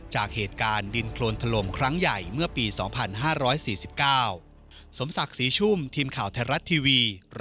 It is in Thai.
จากเหตุการณ์ดินโครนถล่มครั้งใหญ่เมื่อปี๒๕๔๙